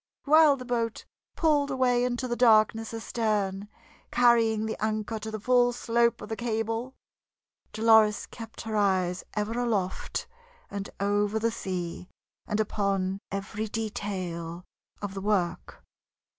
While the boat pulled away into the darkness astern, carrying the anchor to the full scope of the cable, Dolores kept her eyes ever aloft, and over the sea, and upon every detail of the work.